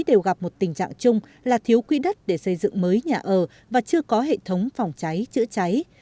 đều gặp một tình trạng chung là thiếu quỹ đất để xây dựng mới nhà ở và chưa có hệ thống phòng cháy chữa cháy